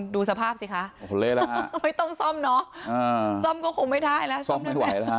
ดูสภาพสิคะไม่ต้องซ่อมเนาะซ่อมก็คงไม่ได้แล้ว